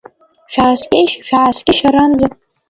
Шәааскьеишь, шәааскьеишь аранӡа.